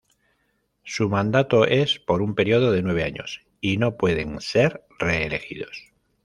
Su mandato es por un período de nueve años, y no pueden ser reelegidos.